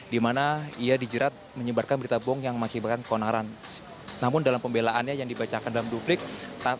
di mana ia dijerat menyebarkan berita bohong yang mengakibatkan konaran